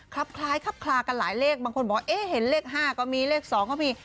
คล้ายครับคลากันหลายเลขบางคนบอกเอ๊ะเห็นเลข๕ก็มีเลข๒ก็มี